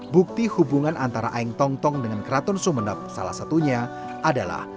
bukti hubungan antara aeng tong tong dengan keraton sumeneb salah satunya adalah